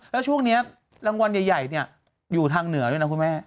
แล้วช่วงนี้รางวัลใหญ่อยู่ทางเหนือด้วยนะคุณแม่